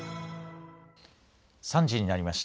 ３時になりました。